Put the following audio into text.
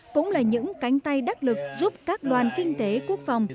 cũng là những cánh tay đắc lực giúp các đoàn kinh tế quốc phòng